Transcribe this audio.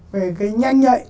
về cái nhanh nhạy